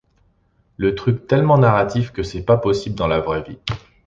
Le truc tellement narratif que c'est pas possible dans la vraie vie.